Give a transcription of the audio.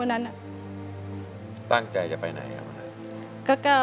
ตั้งใจจะไปไหน